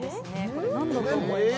これ何だと思いますか？